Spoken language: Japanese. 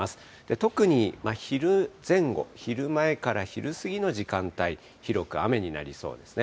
特に昼前後、昼前から昼過ぎの時間帯、広く雨になりそうですね。